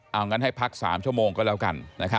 เอางั้นให้พัก๓ชั่วโมงก็แล้วกัน